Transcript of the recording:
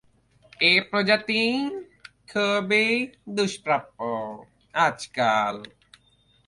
এ প্রজাতি খুবই দুষ্প্রাপ্য আজকাল।